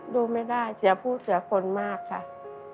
ดูไม่ได้เสียผู้เสียคนมากค่ะ